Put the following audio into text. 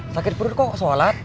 sakit perut kok sholat